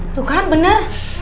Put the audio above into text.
itu kan bener